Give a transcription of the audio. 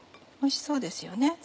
おいしそうですよね。